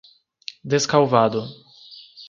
Descalvado